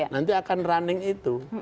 nanti akan running itu